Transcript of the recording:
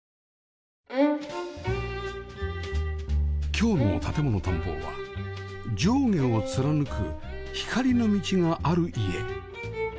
今日の『建もの探訪』は上下を貫く光の道がある家